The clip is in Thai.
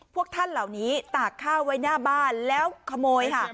พวกท่านเหล่านี้ตากข้าวไว้หน้าบ้านแล้วขโมยค่ะ